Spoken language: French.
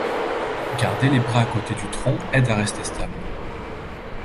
Garder les bras aux côtés du tronc aide à rester stable.